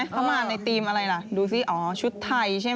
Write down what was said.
เข้ามาในธีมอะไรล่ะดูสิอ๋อชุดไทยใช่ไหม